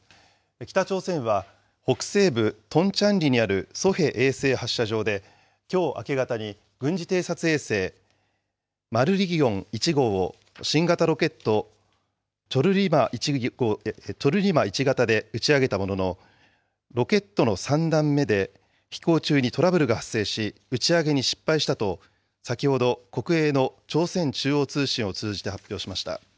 北朝鮮は北西部トンチャンリにあるソヘ衛星発射場で、きょう明け方に軍事偵察衛星マルリギョン１号を新型ロケットチョルリマ１型で打ち上げたものの、ロケットの３段目で飛行中にトラブルが発生し、打ち上げに失敗したと、先ほど国営の朝鮮中央通信を通じて発表しました。